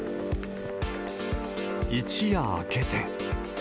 一夜明けて。